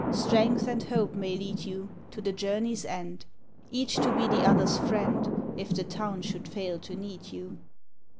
Strength and hope may lead you To the journey's end, — Each to be the other's friend If the Town should fail to need you.